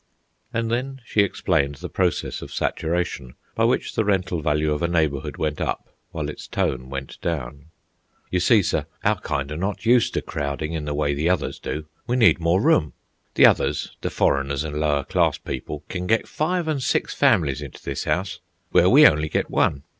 And then she explained the process of saturation, by which the rental value of a neighbourhood went up, while its tone went down. "You see, sir, our kind are not used to crowding in the way the others do. We need more room. The others, the foreigners and lower class people, can get five and six families into this house, where we only get one.